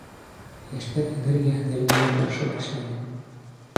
Йәштәр энергияһын йәлләмәй тырышып эшләне.